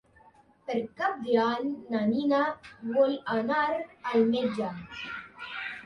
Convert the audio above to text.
Per Cap d'Any na Nina vol anar al metge.